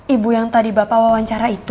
ibu yang tadi bapak wawancara itu